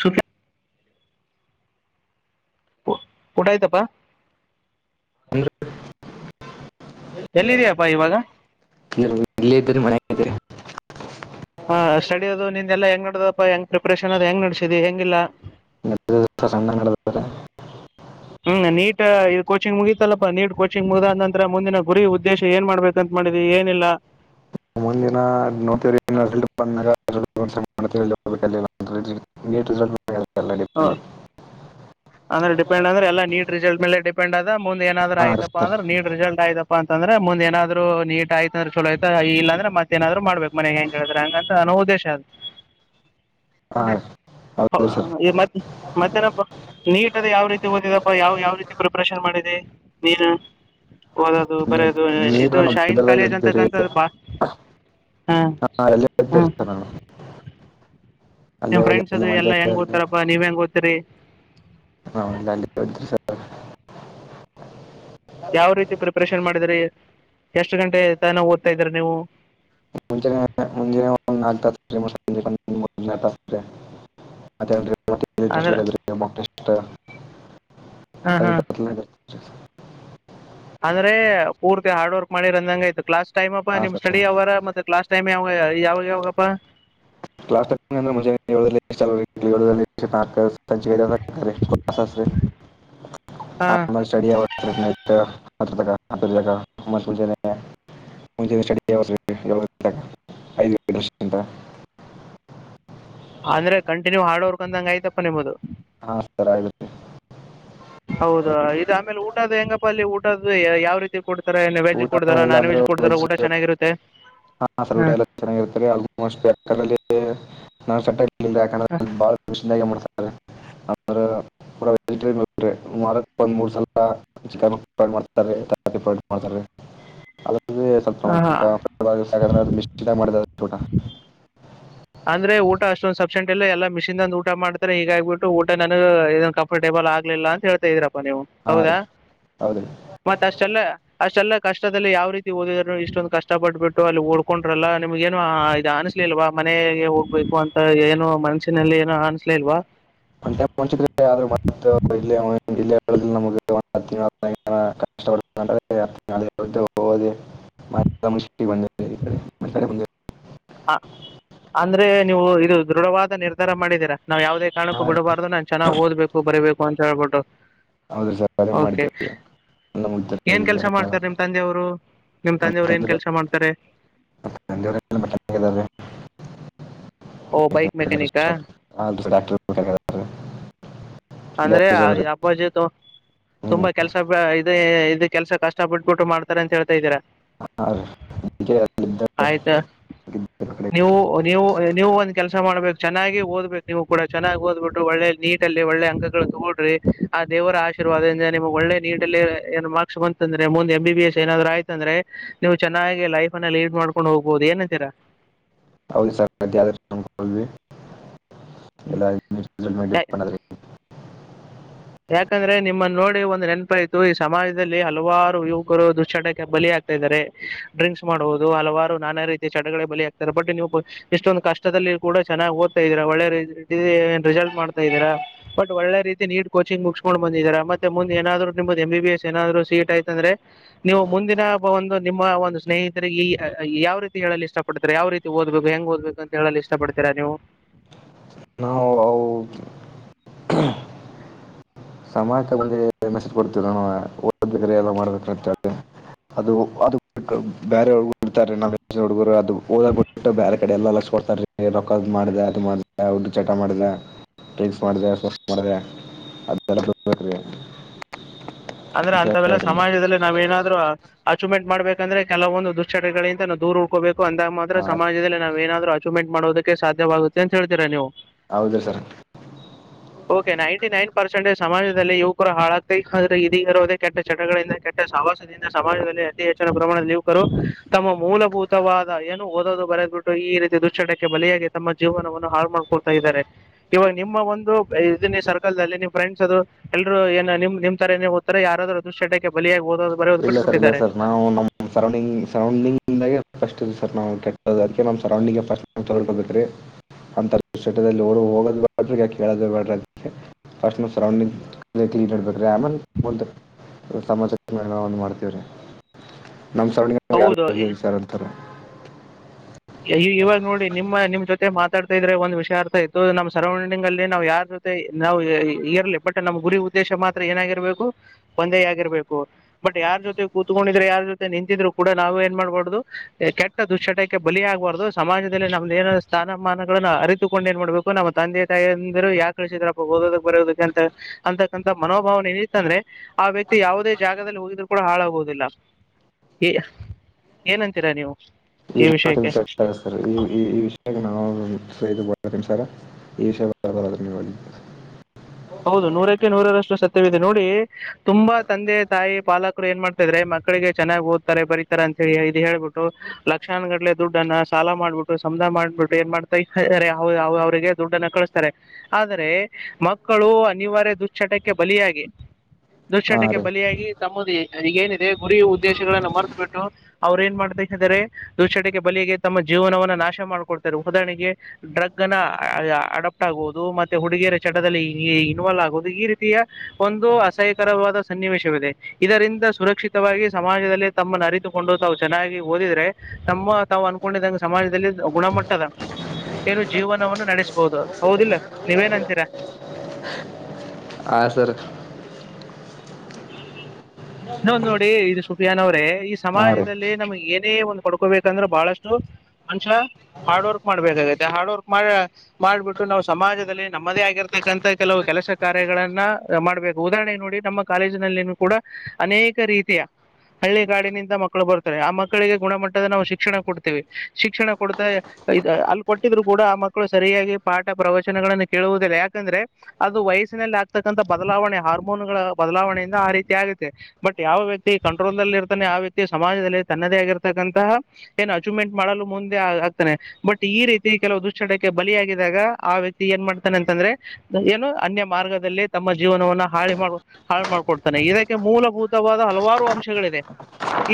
ಸ. [inaudible] ಊಟಯತಪ್ಪ. ಅಂದ್ರೆ ಎಲ್ಲಿದಯಪ್ಪಾ ಇವಾಗ. ಹ. ಹಾಷ್ಟ. ನಡೋದು ನಿಂದ ಎಲ್ಲ ಹೆಂಗ ನಡ್ದದಪ್ಪಾ ಹೆಂಗ್ ಪ್ರಿಪರೇಷನ್ ಅದು ಹೆಂಗ ನಡಸಿದಿದೆ ಹೆಂಗಿಲ್ಲ. ಇ ದಸ ಸಣ್ಣಂಗಡೆರ. ಹ್ಮ್ ನೀಟ್ ಕೋಚಿಂಗ್ ಮುಗಿತಲ್ಲಪ್ಪಾ ನೀಟ್ ಕೋಚಿಂಗ್ ಮುಗ್ದಾದ ನಂತರ ಮುಂದಿನ ಗುರಿ ಉದ್ದೇಶ ಏನ್ ಮಾಡ್ಬೇಕಂತ ಮಾಡಿದ್ವಿ ಏನಿಲ್ಲ. ಮುಂದಿನ ನೋಡ್ತವಂದಿಸ. ಹ ಅಂದ್ರೆ ಡಿಪೆಂಡ್ ಅಂದ್ರೆ ಎಲ್ಲಾ ನೀಟ್ ರಿಸಲ್ಟ್ ಮೇಲೆ ಡಿಪೆಂಡ್ ಆದದ ಮುಂದ ಏನಾದ್ರರು ಹಾಂ ಆಯ್ತಪ್ಪ ಸರ್ ಅಂದ್ರೆ ನೀಟ್ ರಿಸಲ್ಟ್ ಆಯ್ತಪ್ಪಾ ಅಂತಂದ್ರೆ ಮುಂದ್ ಏನಾದ್ರರು. ರು ನೀಟ್ ಆಯ್ತ ಅಂದ್ರೆ ಚಲೋ ಆಯ್ತ ಇಲ್ಲಾಂದ್ರೆ ಮತ್ತೇಏನಾದ್ರು ಮಾಡ್ಬೇಕು ಮನೆಗೆ ಹೆಂಗ ಹೇಳಿದ್ರೆ ಹಂಗಂತ ನನ್ನೋ ಉದ್ದೇಶ ಅದು. ಹಾ. ಹ ಮತ್ತ ಮತ್ತನ ನೀಟ್ ಅದ ಯಾವ ರೀತಿ ಓದಿದಪ್ಪ ಯಾವ ಯಾವ ರೀತಿ ಪ್ರಿಪರೇಷನ್ ಮಾಡಿದೆ ನೀನು ಓದೋದು ಬರ. ನೀಟ್ ಇದು ನಾವು ಶೈನ್ ಬಿದರ್ದಾಗ ಕಾಲೇಜ್ ಇರ್ತೀರಿ ಅಂತಕ್ಕ ಬಾ ಹ ಹಾಂ ಅಲ್ಲೇ ಹ. ಇದ್ದೀರಿ ಸರ್ ನಾನು ಅಲ್ಲೇ ನಿಮ ಹೋದೆ ಫ್ರೆಂಡ್ ಅಲ್ಲಿ ಅದು ಎಲ್ಲ ಹೆಂಗ ಮಂಡ್ಯದಲ್ಲಿ ಓ್ತಾರಾ ನೀವ ಹೆಂಗ ಓತ್ತ. ತೇ. [unintelligible] ಹಾಲ್ಲ ಅಲ್ಲಿ ಸ [unintelligible] ಯಾವ ರೀತಿ ಪ್ರಿಪರೇಷನ್ ಮಾಡ ದ್ರಿ ಎಷ್ಟು ಗಂಟೆ ತಾನ ಓದ್ತಾ ಇದ್ರ ನೀವು ಮುಂಚ ಮುಂ ಒ [unintelligible] ಅಂದ್ರೆ [inaudible] ಹಾ ಅದ ಹಾ ಬತ್ ನಗ ಅಂದ್ರೆ ಪೂರ್ತಿ ಹಾರ್ಡ್ ವರ್ಕ್ ಮಾಡಿರಂದಂಗ ಆತು ಕ್ಲಾಸ್ ಟೈಮ್ ಅ ಹಾಂ ನಿಮ್ ಸರ್ ಸ್ಟಡಿ ಅವರ ಮತ್ತ ಕ್ಲಾಸ್ ಟೈಮ್ ಯಾವಾಗ ಪ್ಪಾ [unintelligible] ಸಂಚ ಕ ಕ ಆ ಸ್ಟ ಹಾ [unintelligible] ಂಐ [unintelligible] [inaudible] [inaudible] ಅಂದ್ರೆ ಕಂಟಿನ್ಯೂ ಹಾರ್ಡ್ವರ್ಕ್ ಅಂದಂಗ ಆಯ್ತಪ್ಪ ನಿಮಮ್ಮ್ದದು ಹಾ ಸರ್ ಆಯಗಿ ಹೌದ ಇದು ಆಮೇಲೆ ಊಟದ ಹೆಂಗಪ್ಪ ಅಲ್ಲಿ ಊಟದ್ದ ಯಾವ ರೀತಿ ಕೊಡ್ತಾರೆ ವೆಜ್ ಊಟ ಕೊಡತಾರಾ ನಾನ್ ವೆಜ್ ಕೊಡ್ತಾರ ಊಟ ಚೆನ್ನಾಗಿರುತ್ತೆ ಹಾ ಸರ್ಗಟ ಎಲ್ಲ ಚೆನ್ನಾಗಿರ್ತಾರೆ ಆಲ್ಮೋಸ್ಟ್ಲ್ಲಿ ನಾ ಸಟ್ಟ ಬಾಳ ಮಾಡ್ತಾರೆ ಅ್ರಜಿರಿ ಒಂದ್ ಮೂರ್ ಸಲ ಚಿಕನ್ ಮಾಡ್ತಾ ಮಾಡ್ತ ಇ ಹಾ, ಹಾ ಸಸಕ ಮಶ್ಚಿತ ಮಾಡ ೋಟಾ ಅಂದ್ರೆ ಊಟ ಅಷ್ಟೊಂದ ಸಸೆಂಟ್ಲ್ಲ ಎಲ್ಲ ಮಿಷನ್ದಂದ ಊಟ ಮಾಡತಾರೆ ಹೀಗ ಆಗ್ಬಿಟ್ಟು ಊಟ ನನಗ್ ಇದ ಕಂಫರ್ಟೇಬಲ್ ಆಗ್ಲಿಲ್ಲ ಅಂತ ಹೇಳ್ತಾ ಇದೀರಾ ನೀವು ಹಾಂ ರೀ ಹೌದಾ ಹೌದು ರೀ ಮತ್ತ ಅಷ್ಟೆಲ್ಲ ಅಷ್ಟೆಲ್ಲ ಕಷ್ಟದಲ್ಲಿ ಯಾವ ರೀತಿ ಓದಿದ್ರು ಇಷ್ಟೊಂದು ಕಷ್ಟಪಟ್ಟಬಿಟ್ಟು ಅಲ್ಲಿ ಓಡ್ಕೊಂಡ್ರಲ್ಲ ನಿಮ್ಗೇನುಾ ಇದು ಅನಿಸಲಿಲ್ವಾ ಮನೆಗೆ ಹೋಗ್ಬೇಕು ಅಂತ ಏನೋ ಮನ್ಸಿನಲ್ಲಿ ಏನೋ ಅನ್ಸ್ಲ ಇಲ್ವಾ ಮಚ್ರ ಹ ಬಂದ ಈಡೆ ಮಡೆಂದ ಹ ಅಂದ್ರೆ ನೀವು ಇದು ದೃಢವಾದ ನಿರ್ಧಾರ ಮಾಡಿದೀರಾ ನಾವ್ ಯಾವವುದ ಕಾರಕ್ಕೂ ಹಾಂ ರೀ ಬಿಡಬಾರ್ದು ನಾ ಚನ್ನಾಗಿ ಓದ್ಬೇಕ ಬರಬೇಕು ಪಂಚಾಯ ಬಟ್ಟ ಹೌದು ರೀ ಸರ್ ಅದೇ ಕೆ ಮಾಡಿದ್ದೇವೆ ನಮಗೆ ಏನ್ ಕೆಲಸ ತಲೆಗಿದ್ದಾರೆ ಮಾಡ್ತಾರೆ ನಿಮ್ ತಂದೆಯವರು ಹೋ ನಿಮ್ ನಮ್ಮ ತಂದೆಯವರು ಏನ್ ತಂದೆ ಕೆಲಸ ಮಾಡ್ತಾರೆ ತಂದೆಯವರೆಲ್ಲ ಮೆಕ್ಯಾನಿಕ್ ಇದ್ದಾರೆ ಓ ಬೈಕ್ ಮೆಕ್ಯಾನಿಕಾ ಹಾ ಸರ್ ಫೋಟೋಗ್ರಾಫರ್ ಅಂದ್ರೆ ಅಪ್ಪಾಜಿದು ಹ್ಞೂ ತುಂಬಾ ಕೆಲ್ಸ ಇದು ಕೆಲಸ ಕಷ್ಟಪಟ್ಬಿ ಬಿಟ್ಟು ಮಾಡ್ತಾರೆ ಅಂತ ಹೇಳ ಹೇಳ್ತಾಯಿದಿರ ಹಾಂ ರೀ ಅದಕ್ಕೆ ಅಲ್ಲಿದ್ದ ಆಯ್ತಾ ಇದ್ದ ಕಡೆ ನೀವು ನೀವು ನೀವು ಒಂದ್ ಕೆಲಸ ಮಾಡ್ಬೇಕು ಚೆನ್ನಾಗಿ ಓದ್ಬೇಕು ನೀವು ಕೂಡ ಚೆನ್ನಾಗಿ ಓದ್ಬಿಟ್ಟು ಒಳ್ಳೆ ನಿಟ್ ಅಲ್ಲಿ ಒಳ್ಳೆ ಅಂಕಗಳು ತಗೋಡ್ರಿ ಆ ದೇವರ ಆಶೀರ್ವಾದದಿಂದ ನಿಮ್ಗ್ ಒಳ್ಳೆ ನಿಟ್ ಅಲ್ಲಿ ಮಾರ್ಕ್ಸ್ ಬಂತಂದ್ರೆ ಮುಂದೆ ಎ ಬಿ ಬಿ ಎಸ್ ಏನಾದ್ರು ಆಯ್ತಂದ್ರೆ ನೀವು ಚೆನ್ನಾಗಿ ಲೈಫ್ ಅನ್ನ ಲೀಡ್ ಮಾಡ್ಕೊಂಡು ಹೋಗ್ಬಹುದು ಏನ್ಂತೀರಾ ಹೌದು ಸರ್ ಎಲ್ಲ [inaudible] ಯಾಕಂದ್ರೆ ನಿಮ್ಮನ್ನು ನೋಡಿ ಒಂದ್ ನೆನಪ ಇತು ಈ ಸಮಾಜದಲ್ಲಿ ಹಲವಾರು ಯುವಕರು ದುಶ್ಚಟಕ್ಕೆ ಬಲಿ ಆಗ್ತಿದಾರೆ ಡ್ರಿಂಕ್ಸ್ ಮಾಡ್ಬಹುದು ಹಲವಾರು ನಾನಾ ರೀತಿಯ ಚಟಗಳೇ ಬಲಿ ಆಕ್ತಾರೆ ಬಟ್ ನೀವು ಇಷ್ಟೊಂದು್ ಕಷ್ಟದಲ್ಲಿ ಕೂಡ ಚನ್ನಾಗ್ ಓದತಇದೀರಾ ಒಳ್ಳೆ ರಿಸಲ್ಟ್ ಮಾಡ್ತಾ ಇದೀರಾ ಬಟ್ ಒಳ್ಳೆ ರೀತಿ ನಿಟ್ ಕೋಚಿಂಗ್ ಮುುಕ್ಸ್ಕೊಂಡ್ ಬಂದಿದಿರ ಮತ್ತೆ ಮುಂದ್ ಏನಾದ್ರು ನಿಮ್ದ ಎಂಬ ಬಿ ಎಸ್ ಏನಾದ್ರು ಸೀಟ್ ಆಯ್ತಂದ್ರೆ ನೀವು ಮುಂದಿನ ಒಂದು ನಿಮ್ಮ ಒಂದು ಸ್ನೇಹಿತರಿಗೆ ಯಾವ್ ರೀತಿ ಹೇಳಲ್ಲಿ ಇಷ್ಟ ಪಡ್ತರ ಯಾವ್ ರೀತಿ ಓದ್ಬೇಕು ಹೆಂಗ್ ಓದ್ಬೇಕು ಅಂತ ಹೇಳಲ್ಲಿ ಇಷ್ಟ ಪಡ್ತೀರಾ ನೀವು ನಾವು ಅವು ಸಮಾ ಮುಂದೆ ಮೆಸ ಕೊಡ್ತವ ನಾವ್ ಓದ್ರ ಮಾಡ್ಬೇಕಂತ ಅದು ಬ ಹರು ಓದ ಬಿಟ್ಟು ಬೇರೆ ಕಡೆಲ್ಲ ಕೊಡ್ತೊ ಅದು ಮಾಡ ಚಟ ಮಾಡಿದೆ ಡ್ರಿಂಕ್ಸ್ ಮಾಡಿದ ಮಾಡ [unintelligible] ಅಂದ್ರೆ ಅಂತ ಅಂತವೆಲ್ಲ ಹೇಳ್ತೀನಿ ಸಮಾಜದಲ್ಲಿ ನಾವ್ ಏನಾದ್ರು ಆ ಅಚೀವ್ಮೆಂಟ್ ಮಾಡ್ಬೇಕಂದ್ರೆ ಕೆಲವೊಂದು ದುಷ್ಟಚಟಗಳಿ ನ ದೂರ ಉಳ್ಕೊಬೇಕ. ಅಂದಾಗ ಮಾತ್ರ ಸಮಾಜದಲ್ಲಿ ನಾವ್ ಏನಾದ್ರು ಅಚೀವ್ಮಂಟ್ ಮಾಡೋದಕ್ಕೆ ಸಾಧ್ಯವಾಗುತ್ತ ಅಂತೆ ಹೇಳ್ತೀರ ನೀವು ಹೌದ್ರಿ sir. Okay ninety nine percent ಸಮಾಜದಲ್ಲಿ ಯುವಕರ ಹಾಳಾಗತ ಇದೀಗ ಇರದೇ ಕೆಟ್ಟ ಚಟಗಳಿಂದ ಕೆಟ್ಟ ಸಹವಾಸದಿಂದ ಸಮಾಜದಲ್ಲಿ ಅತಿ ಹೆಚ್ಚಿನ ಪ್ರಮಾಣ ಯುವಕರು ತಮ್ಮ ಮೂಲಭೂತವಾದ ಏನು ಓದೋದು ಬರೆದು ಬಿಟ್ಟು ಈ ರೀತಿ ದುಶ್ಚಟಕ್ಕೆ ಬಲಿಯಾಗಿ ತಮ್ಮ ಜೀವನವನ್ನ ಹಾಳು ಮಾಡ್ಕೊಳ್ತಾ ಇದ್ದಾರೆ ಇವಾಗ ನಿಮ್ಮ ಒಂದು ಇದ ಸರ್ಕಲ್ಲ್ಲಿ ನಿಮ್ಮ್ ಫ್ರೆಂಡ್ಸ್ ಅದು ಎಲ್ರೂ ಏ ನಿಮ್ ನಿಮ್ಮ ರೆ ಯಾರಾದ್ರೂ ದುಷ್ಟಟ್ಟಕ್ಕೆ ಬಲಿಯಾಗ ಹೋದರು. ಇಲ್ಲ ಸರ್ ಇಲ್ಲ ಸರ್ ನಾವು ನಮ್ಮ್ ಸರೌಂಡಿಂಗ್ ಸರೌಂಡಿಂಗದಾಗೆ ಫಸ್ಟ್ ನಾವು ಕೆಟ್ಟದ ಅದ್ಕೆ ಸರೌಂಡಿಂಗ್ಟ್ ಫಸ್ಟ್ ತಕೊಬೇಕ್ರೇ ಆ ಕೆಟ್ಟ ಚಟಗಳಿಗೆ ಹೋಗೋದಿಲ್ಲ ಕೇಳೋದೇ ಬೇಡ ರೀ ಪಸ್ಟ್ ನಮ್ಮ ಸರೌಂಡಿಂಗ್ ಕ್ಲೀನ್ ಇರಬೇಕ ರೀ ಆಮೇಲ ಮುಂದ ಸಮಾಜಕ್ಕ ಎಲ್ಲ ಒಂದ ಮಾಡ್ತೀವಿರಿ. ನಮ್ ಸುರ್ರೋಡಿಂಗ್ ಯಾರು ಹೌದು ಈ ಇಲ್ಲ ಅಂತಾರ ಈ ಇವಾಗ ನೋಡಿ ನಿಮ್ಮ ನಿಮ್ ಜೊತೆ ಮಾತಾಡ್ತಾ ಇದ್ರೆ ಒಂದ್ ವಿಷ ಅರ್ಥ ಆಯ್ತು ನಮ್ಮ್ ಸರೌಂಡಿಂಗ್ ಅಲ್ಲಿ ನಾವ್ ಯಾರ ಜೊತೆ ನಾವು ಇರ್ಲಿ ಬಟ್ ನಮ್ ಗುರಿ ಉದ್ದೇಶ ಮಾತ್ರ ಏನಾಗಿರ್ಬೇಕು ಒಂದೇ ಆಗಿರ್ಬೇಕು ಬಟ್ ಯಾರ್ ಜೊತೆ ಕೂತ್ಕೊಂಡಿದ್ರೆ ಯಾರ ಜೊತೆ ನಿಂತಿದ್ರು ಕೂಡ ನಾವು ಏನ್ ಮಾಡ್ಬಾರ್ದ ಕೆಟ್ಟ ದುಶ್ಚಟಕ್ ಬಲಿಆಗ್ಬಾರ್ದು ಸಮಾಜದಲ್ಲಿ ನಮ್ದ ಏನಾದ ಸ್ಥಾನಮಾನಗಳನ್ನ ಅರಿತುಕೊಂಡು ಏನ್ ಮಾಡ್ಬೇಕು ನಮ್ಮ ತಂದೆ ತಾಯಿಂದಿರು ಯಾಕೆ ಕಳ್ಸಿದ್ರಪ್ಪ ಓದದಕ್ ಬರೆಯೋದಕ್ಕೆ ಅಂತ ಅಂತಕ್ಕಂತ ಮನೋಭಾವನೆ ಏನಿತ್ತಂದ್ರೆ ಆ ವ್ಯಕ್ತಿ ಯಾವುದೇ ಜಾಗದಲ್ಲಿ ಹೋಗಿದ್ರು ಕೂಡ ಹಾಳಾಗುವುದಿಲ್ಲ ಏನಂತೀರಾ ನೀವು [unintelligible] ಈ ವಿಷಯಕ್ಕೆ ಈ ವಿಷಯಕ್ಕೆ ನಾವು [unintelligible] ಹೌದು ನೂರಕ್ಕೆ ನೂರರಷ್ ಸತ್ಯವಿದೆ ನೋಡಿ. ತುಂಬಾ ತಂದೆತಾಯಿ ಪಾಲಕ ಕರ ಏನ್ಮಾಡ್ತಿದಾರೆ ಮಕ್ಕಳಿಗೆ ಚೆನ್ನಾಗಿ ಓದತ್ತಾರೆ ಬರೀತಾರೆ ಅಂತಿ ಇದು ಹೇಳ್ಬಿಟ್ಟು ಲಕ್ಷಾನಗಟ್ಲೆ ದುಡ್ಡನ್ನ ಸಾಲ ಮಾಡ್ಬಿಟ್ಟು ಸಮಧ ಮಾಡ್ಬಿಟ್ಟು ಏನ್ ಮಾಡ್ತಾ ಅವ್ ಅವರಿಗೆ ದುಡ್ಡನ್ನ ಕಳಿಸ್ತಾರೆ ಆದ್ರರೆ ಮಕ್ ಮಕ್ಕಳು ಅನಿವಾರ್ಯ ದುಶ್ಚಟಕ್ಕೆ ಬಲಿಯಾಗಿ ಹಾಂ ದುಶ್ಚಟಕ್ಕೆ ರೀ ಬಲಿಯಾಗಿ ತಮ್ಮ ಈಗ ಏನಿದೆ ಗುರಿ ಉದ್ದೇಶಗಳನ್ನ ಮರೆತು ಬಿಟ್ಟು ಅವ್ರು ಏನ್ಮಾಡ್ತಿದಾರೆ ದುಶ್ಚಟಕ್ಕೆ ಬಲಿಯಾಗಿ ತಮ್ಮ ಜೀವನವನ್ನ ನಾಶ ಮಾಡಕೊಡ್ತಾರೆ ಉದಾಹರಣೆಗೆ ಡ್ರಗ್ ನ್ನ ಅಡಪ್ಟ್ ಆಗವುದು ಮತ್ತೆ ಹುಡುಗಿಯರ ಚಟದಲ್ಲಿ ಈ ಇನ್ವಾಲ್ವ್ ಆಗೋದು ಈ ರೀತಿಯ ಒಂದು ಅಸಹ್ಯಕರವಾದ ಸನ್ನಿವೇಶವಿದೆ ಇದರಿಂದ ಸುರಕ್ಷಿತವಾಗಿ ಸಮಾಜದಲ್ಲಿ ತಮ್ಮನ್ನ ಅರಿತುಕೊಂಡು ತಾವು ಚೆನ್ನಾಗಿ ಓದಿದ್ರೆ ತಮ್ಮ ತಾವು ಅನ್ಕೊಂಡಿದಂಗ ಸಮಾಜದಲ್ಲಿ ಗುಣಮಟ್ಟದ ಏನು ಜೀವನವನ್ನು ನಡೆಸಬಹುದು ಹೌದಿಲ್ಲ ನೀವೇನಂತೀರಾ ಆ ಸರ್. ಇನ್ನೊಂದು ನೋಡಿ ಇದು ಸುಫಿಯಾನ್ ಅವ್ರೆ ಈ ಹಾಂ ರೀ ಸಮಾಜದಲ್ಲಿ ನಮ್ಗ ಏನ್ ಪಡ್ಕೋಬೇಕಂದ್ರ ಬಹಳಷ್ಟು ಮನುಷ್ಯ ಹಾರ್ಡ್ ವರ್ಕ್ ಮಾಡ್ಬೇಕಾಗೆ ಹಾರ್ಡ್ ವರ್ಕ್ ಮಾಡ ಮಾಡ್ಬಿಟ್ಟು ನಾವು ಸಮಾಜದಲ್ಲಿ ನಮ್ಮದೇ ಆಗಿರ್ತಕ್ಕಂತ ಕೆಲವು ಕೆಲಸ ಕಾರ್ಯಗಳನ್ನ ಮಾಡ್ಬೇಕು ಉದಾಹರಣೆಗೆ ನೋಡಿ ನಮ್ಮ ಕಾಲೇಜಿನಲ್ಲಿನೂ ಕೂಡ ಅನೇಕ ರೀತಿಯ ಹಳ್ಳಿ ಗಾಡಿನಿಂದ ಮಕ್ಕಳು ಬರ್ತಾರೆ ಆ ಮಕ್ಕಳಿಗೆ ಗುಣಮಟ್ಟದ ನಾವು ಶಿಕ್ಷಣ ಕೊಡ್ತೀವಿ ಶಿಕ್ಷಣ ಕೊಡ್ತಾ ಅಲ್ಲಿ ಕೊಟ್ಟಿದ್ರು ಕೂಡ ಆ ಮಕ್ಕಳು ಸರಿಯಾಗಿ ಪಾಠ ಪ್ರವಚನಗಳನ್ನ ಕೇಳುವುದಿಲ್ಲ ಯಾಕಂದ್ರೆ ಅದು ವಯಸ್ಸಿನಲ್ಲಿ ಆಗ್ತಕ್ಕಂಥ ಬದಲಾವಣೆ ಹಾರ್ಮೋನ್ಗಳ ಬದಲಾವಣೆಯಿಂದ ಆ ರೀತಿ ಆಗ ತೆ ಬಟ್ ಯಾವ ವ್ಯಕ್ತಿ ಕಂಟ್ರೋಲ್ಲ್ಲಿ ಇರ್ತಾನೆ ಆ ವ್ಯಕ್ತಿ ಸಮಾಜದಲ್ಲಿ ತನ್ನದೇ ಆಗಿರ್ತಕ್ಕಂತಹ ಏನು ಅಚೀವ್ಮೆಂಟ್ ಮಾಡಲು ಮುಂದೆ ಆಗ್ತಾನೆ ಬಟ್ ಈ ರೀತಿ ಕೆಲವು ದುಶ್ಚಟಕ್ಕೆ ಬಲಿಯಾಗಿದ್ದಾಗ ಆ ವ್ಯಕ್ತಿ ಏನ್ ಮಾಡ್ತಾನ ಅಂತಂದ್ರೆ ಏನು ಅನ್ಯ ಮಾರ್ಗದಲ್ಲಿ ತಮ್ಮ ಜೀವನವನ್ನ ಹಾಳಿ ಮಾಡ ಹಾಳ ಮಾಡ್ಕೊಡ್ತಾನೆ ಇದ್ ಮೂಲಭೂತವಾದ ಹಲವಾರು ಅಂಶಗಳಿದೆ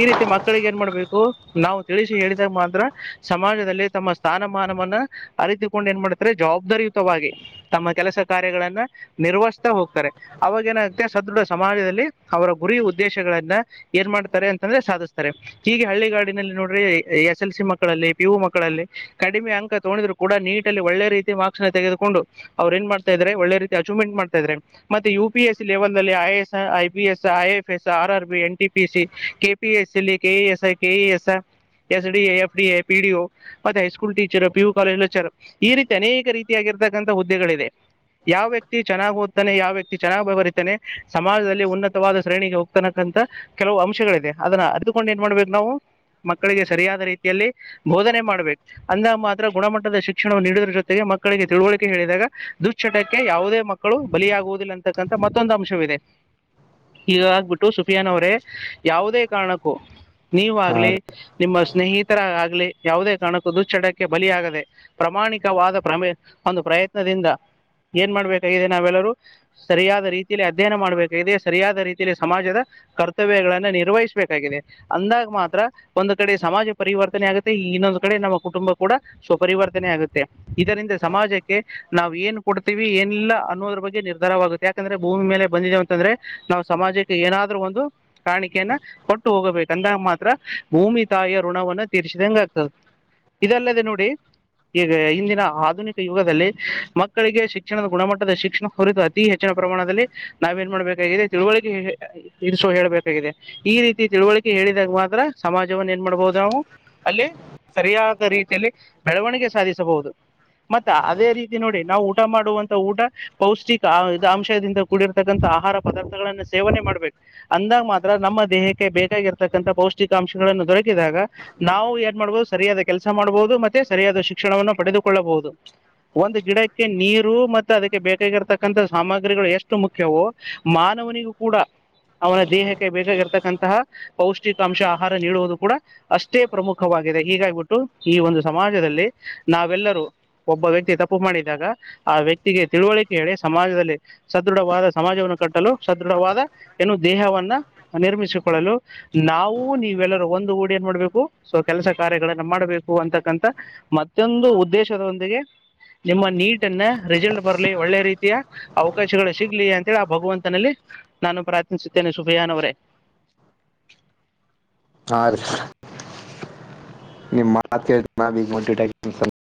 ಈ ರೀತಿ ಮಕ್ಕಳಿಗೆ ಏನ್ ಮಾಡಬೇಕು ನಾವು ತಿಳಿಸಿ ಹೇಳಿದಾಗ ಮಾತ್ರ ಸಮಾಜದಲ್ಲಿ ತಮ್ಮ ಸ್ಥಾನಮಾನವನ್ನ ಅರಿತುಕೊಂಡು ಏನ್ ಮಾಡತಾರೆ ಜವಾಬ್ದಾರಿಯುತವಾಗಿ ತಮ್ಮ ಕೆಲಸ ಕಾರ್ಯಗಳನ್ನ ನಿರ್ವಹಿಸ್ತಾ ಹೋಗ್ತಾರೆ ಅವಾಗ ಏನಾಗುತ್ತೆ ಸದೃಢ ಸಮಾಜದಲ್ಲಿ ಅವರ ಗುರಿ ಉದ್ದೇಶಗಳನ್ನ ಏನ್ ಮಾಡ್ತಾರೆ ಅಂತಂದ್ರೆ ಸಾಧಿಸ್ತಾರೆ ಹೀಗೆ ಹಳ್ಳಿಗಾಡಿನಲ್ಲಿ ನೋಡ್ರಿ ಎಸ್ ಎಲ್ ಸಿ ಮಕ್ಕಳಲ್ಲಿ ಪಿ ಯು ಮಕ್ಕಳಲ್ಲಿ ಕಡಿಮೆ ಅಂಕ ತುಗೊಂಡಿದ್ರು ಕೂಡ ನೀಟಲ್ಲಿ ಒಳ್ಳೆ ಮಾರ್ಕ್ಸ್ ನ ತೆಗೆದುಕೊಂಡು ಅವ್ ನ್ ಮಾಡ್ತಾ ಇದಾರೆ ಒಳ್ಳೆ ರೀತಿ ಅಚೀವ್ಮೆಂಟ್ ಮಾಡ್ತಾ ಇದಾರೆ ಮತ್ತೆ U P S C level ನಲ್ಲಿ I A S I P S I F S R R B N T P C K P ಎಸ್ಲ್ಲಿ K E S K E S S D A F D A P D O ಮತ್ತೆ high school teacher P U ಕಾಲೇಜ್ರ್ ಈ ರೀತಿ ಅನೇಕ ರೀತಿಯಾಗಿರತಕ್ಕಂಹ ಹುದ್ದೆಗಳಿದೆ ಯಾವ ವ್ಯಕ್ತಿ ಚೆನ್ನಾಗಿ ಓದ್ತಾನೆ ಯಾವ ವ್ಯಕ್ತಿ ಚೆನ್ನಾಗಿ ಬರಿತಾನೆ ಸಮಾಜದಲ್ಲಿ ಉನ್ನ ವಾದ ಶ್ರೇಣಿಗೆ ಹೋಗ್ತನಕ್ಕಂತ ಕೆಲವು ಅಂಶಗಳಿದೆ ಅದನ್ನ ಅರ್ದುಕೊಂಡು ಏನ್ ಮಾಡ್ಬೇಕು ನಾವು ಮಕ್ಕಳಿಗೆ ಸರಿಯಾದ ರೀತಿಯಲ್ಲಿ ಬೋಧನೆ ಮಾಡ್ಬೇಕು ಅಂದ ಮಾತ್ರ ಗುಣಮಟ್ಟದ ಶಿಕ್ಷಣವನ್ನು ನೀಡುದ್ರ ಜೊತೆಗೆ ಮಕ್ಕಳಿಗೆ ತಿಳುವಳಿಕೆ ಹೇಳಿದಾಗ ದುಶ್ಚಟಕ್ಕೆ ಯಾವುದೇ ಮಕ್ಕಳು ಬಲಿಯಾಗುವುದಿಲ್ಲ ಅಂತಕ್ಕಂತಥ ಮತ್ತೊಂದು ಅಂಶವಿದೆ. ಈಗ ಆಗ್ಬಿಟ್ಟು ಸುಫಿಯಾನ್ ಅವರೇ ಯಾವುದೇ ಕಾರಣಕ್ಕೂ ನೀವ ಹಾಂ ಆಗ್ಲಿ ರೀ ನಿಮ್ಮ ಸ್ನೇಹಿತರ ಆಗ್ಲಿ ಯಾವುದೇ ಕಾರಣಕ್ಕೂ ದುಚ್ಚಡಕ್ಕೆ ಬಲಿಯಗದೆ ಪ್ರಾಮಾಣಿಕವಾದ ಒಂದು ಪ್ರಯತ್ನದಿಂದ ಏನ್ ಮಾಡ್ಬೇಕಾಗಿದೆ ನಾವೆಲ್ಲರೂ ಸರಿಯಾದ ರೀತಿಯಲ್ಲಿ ಅಧ್ಯಯನ ಮಾಡ್ಬೇಕಾಗಿದೆ. ಸರಿಯಾದ ರೀತಿಯಲ್ಲಿ ಸಮಾಜದ ಕರ್ತವ್ಯಗಳನ್ನ ನಿರ್ವಹಿಸಬೇಕಾಗಿದೆ ಅಂದಾಗ ಮಾತ್ರ ಒಂದು ಕಡೆ ಸಮಾಜ ಪರಿವರ್ತನೆ ಆಗುತ್ತೆ ಇನ್ನೊಂದು ಕಡೆ ನಮ್ಮ ಕುಟುಂಬ ಕೂಡ ಸ್ವಪರಿವರ್ತನೆ ಆಗುತ್ತೆ ಇದರಿಂದ ಸಮಾಜಕ್ಕೆ ನಾವು ಏನ್ ಕೊಡ್ತೀವಿ ಏನಿಲ್ಲ ಅನ್ನೋದ್ರ ಬಗ್ಗೆ ನಿರ್ಧಾರವಾಗುತ್ತೆ ಯಾಕಂದ್ರೆ ಭೂಮಿ ಮೇಲೆ ಬಂದಿದೇವ ಅಂತಂದ್ರೆ ನಾವು ಸಮಾಜಕ್ಕೆ ಏನಾದ್ರು ಒಂದು ಕಾಣಿಕೆಯನ್ನ ಕೊಟ್ಟು ಹೋಗಬೇಕು ಅಂದಾಗ ಮಾತ್ರ ಭೂಮಿ ತಾಯಿಯ ಋಣವನ್ನು ತೀರ್ರಿಸಿದಂಗ ಆಗ್ತದ ಇದಲ್ಲದೆ ನೋಡಿ ಈಗ ಇಂದಿನ ಆಧುನಿಕ ಯುಗದಲ್ಲಿ ಮಕ್ಕಳಿಗೆ ಶಿಕ್ಷಣದ ಗುಣಮಟ್ಟದ ಶಿಕ್ಷಣ ಕುರಿತು ಅತಿ ಹೆಚ್ಚಿನ ಪ್ರಮಾಣದಲ್ಲಿ ನಾವ ಏನ್ ಮಾಡ್ಬೇಕ. ತಿಳುವಳಿಕೆ ಇರಿಸೋ ಹೇಳಬೇಕಾಗಿದೆ ಈ ರೀತಿ ತಿಳುವಳಿಕೆ ಹೇಳಿದಾಗ ಮಾತ್ರ ಸಮಾಜವನ್ನು ಏನ್ ಮಾಡಬದು ನಾವು ಅಲ್ಲಿ ಸರಿಯಾದ ರೀತಿಯಲ್ಲಿ ಬೆಳವಣಿಗೆ ಸಾಧಿಸಬಹುದು ಮತ್ತ ಅದೇ ರೀತಿ ನೋಡಿ ನಾವು ಊಟ ಮಾಡುವಂತ ಊಟ ಪೌಷ್ಟಿಕ ಇದ ಅಂಶದಿಂದ ಕೂಡಿರತಕ್ಕಂಥ ಆಹಾರ ಪದಾರ್ಥಗಳನ್ನ ಸೇವನೆ ಮಾಡ್ಬೇಕು ಅಂದಾಗ ಮಾತ್ರ ನಮ್ಮ ದೇಹಕ್ಕೆ ಬೇಕಾಗಿರ್ತಕ್ಕಂಥ ಪೌಷ್ಟಿಕಾಂಶಗಳನ್ನು ದೊರಕಿದಾಗ ನಾವು ಏನ್ ಮಾಡ್ಬದು ಸರಿಯಾದ ಕೆಲಸ ಮಾಡ್ಬದು ಮತ್ತೆ ಸರಿಯಾದ ಶಿಕ್ಷಣವನ್ನು ಪಡೆದುಕೊಳ್ಳಬಹುದು ಒಂದು ಗಿಡಕ್ಕೆ ನೀರು ಮತ್ತೆ ಅದಕ್ಕೆ ಬೇಕಾಗಿರತಕ್ಕಂಥ ಸಾಮಗ್ರಿಗಳು ಎಷ್ಟು ಮುಖ್ಯವೋ ಮಾನವನಿಗೂ ಕೂಡ ಅವನ ದೇಹಕ್ಕೆ ಬೇಕಾಗಿರತಕ್ಕಂತಹ ಪೌಷ್ಟಿಕಾಂಶ ಆಹಾರ ನೀಡುವುದು ಕೂಡ ಅಷ್ಟೇ ಪ್ರಮುಖವಾಗಿದೆ ಹೀಗಾಗಿಬಿಟ್ಟು ಈ ಒಂದು ಸಮಾಜದಲ್ಲಿ ನಾವೆಲ್ಲರೂ ಒಬ್ಬ ವ್ಯಕ್ತಿ ತಪ್ಪು ಮಾಡಿದಾಗ ಆ ವ್ಯಕ್ತಿಗೆ ತಿಳುವಳಿಕೆ ಹೇಳಿ ಸಮಾಜದಲ್ಲಿ ಸದೃಢವಾದ ಸಮಾಜವನ್ನ ಕಟ್ಟಲು ಸದೃಢವಾದ ಏನು ದೇಹವನ್ನ ನಿರ್ಮಿಸಿಕೊಳ್ಳಲು ನಾವು ನೀವೆಲ್ಲರೂ ಒಂದು ಗುಡಿ ಏನ್ ಮಾಡ್ಬೇಕು ಸೊ ಕೆಲಸ ಕಾರ್ಯಗಳನ್ನ ಮಾಡಬೇಕು ಅಂತಕ್ಕಂತ ಮತ್ತೊಂದು ಉದ್ದೇಶದೊಂದಿಗೆ ನಿಮ್ಮ ನೀಟನ್ನ ರಿಸಲ್ಟ್ ಬರಲಿ ಒಳ್ಳೆ ರೀತಿಯ ಅವಕಾಶಗಳು ಸಿಗ್ಲಿ ಅಂತೇಳಿ ಭಗವಂತನಲ್ಲಿ ನಾನು ಪ್ರಾರ್ತ್ನಿಸುತ್ತೇನೆ ಸುಭಿಯನ ಅವರೇ ತಾರ್ ನಿ ಮಾತ್ಟಟ [unintelligible]